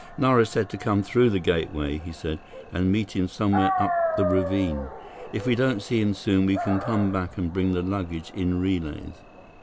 "Nara said to come through the gateway," he said, "and meet him somewhere up the ravine. If we don't see him soon, we can come back and bring the luggage in relays."